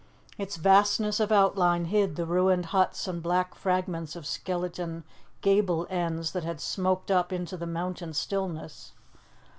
Its vastness of outline hid the ruined huts and black fragments of skeleton gable ends that had smoked up into the mountain stillness.